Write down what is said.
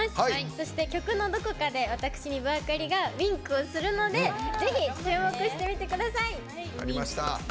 そして、曲のどこかで私、丹生明里がウインクをするのでぜひ注目してみてください。